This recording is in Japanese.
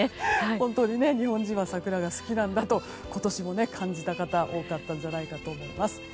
本当に日本人は桜が好きなんだと今年も感じた方多かったんじゃないかと思います。